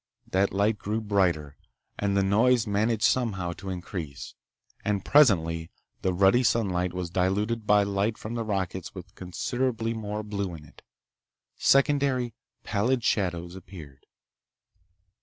That light grew brighter—and the noise managed somehow to increase—and presently the ruddy sunlight was diluted by light from the rockets with considerably more blue in it. Secondary, pallid shadows appeared.